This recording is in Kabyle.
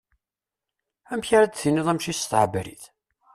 Amek ara d-tiniḍ amcic s tɛebrit?